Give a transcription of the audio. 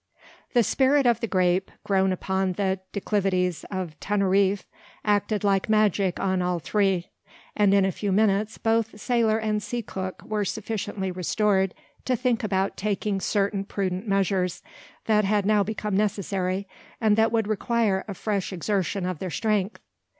The spirit of the grape, grown upon the declivities of Teneriffe, acted like magic on all three; and in a few minutes both sailor and sea cook were sufficiently restored to think about taking certain prudent measures, that had now become necessary, and that would require a fresh exertion of their strength.